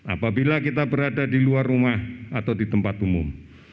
apabila kita berada di luar rumah atau di tempat umum